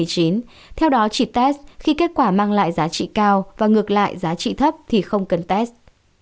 theo đó chỉ test khi kết quả mang lại giá trị cao và ngược lại giá trị thấp thì không cần test